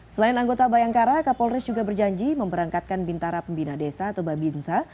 selain anggota bayangkara kapolres juga berjanji memberangkatkan bintara pembina desa atau babinsa